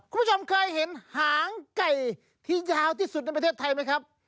คุณผู้ชมเคยเห็นหางไก่ที่ยาวที่สุดในประเทศไทยไหมครับ